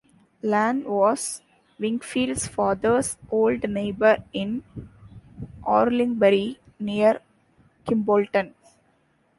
Lane was Wingfield's father's old neighbour in Orlingbury, near Kimbolton.